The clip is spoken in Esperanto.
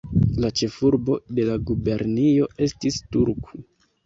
La ĉefurbo de la gubernio estis Turku.